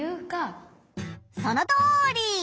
そのとおり！